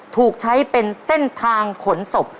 ถูกใช้เป็นเส้นทางขนศพ